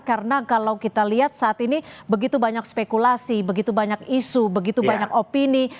karena kalau kita lihat saat ini begitu banyak spekulasi begitu banyak isu begitu banyak opini